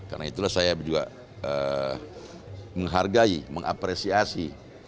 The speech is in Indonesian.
karena itulah saya juga menghargai mengapresiasi